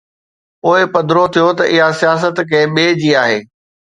پوءِ پڌرو ٿيو ته اها سياست ڪنهن ٻئي جي آهي.